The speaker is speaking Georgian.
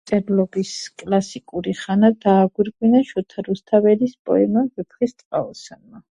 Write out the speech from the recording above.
სიმღერის ერთ-ერთი ვერსია ჩაწერილია ინგლისური როკ-ჯგუფ ლედ ზეპელინის მიერ.